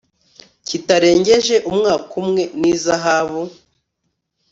kitarengeje umwaka umwe n ihazabu